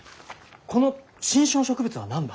この新種の植物は何だ？